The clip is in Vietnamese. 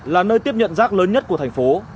là nơi tiếp nhận rác lớn nhất của thành phố